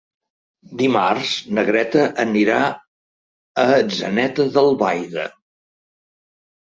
Dimarts na Greta anirà a Atzeneta d'Albaida.